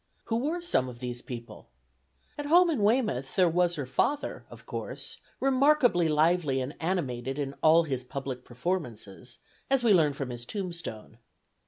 Who were some of these people? At home in Weymouth, there was her father, of course, "remarkably lively and animated in all his public performances," as we learn from his tombstone.